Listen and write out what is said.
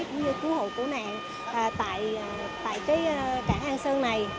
vừa về cái phòng cháy chữa cháy cũng như cứu hộ cứu nạn tại cái cảng an sơn này